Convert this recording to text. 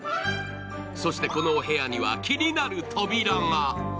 そして、このお部屋には気になる扉が。